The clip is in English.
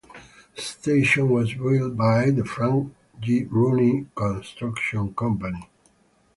The station was built by the Frank J. Rooney Construction Company.